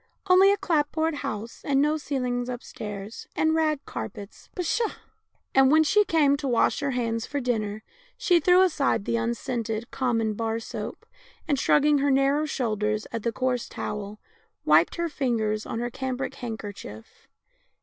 Only a clap board house, and no ceilings upstairs, and rag carpets — pshaw! " And v/hen she came to wash her hands for dinner, she threw aside the unscented, common bar soap, and, shrugging her narrow shoulders at the coarse towel, wiped her fingers on her cambric handkerchief.